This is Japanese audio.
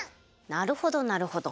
なるほどなるほど！